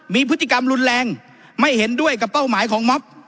มีพฤติกรรมรุนแรงไม่เห็นด้วยกับเป้าหมายของม็อบ